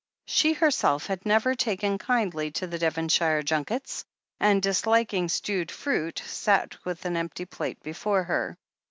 She herself had never taken kindly to the Devonshire jimkets, and, disliking stewed fruit, sat with an empty plate before her.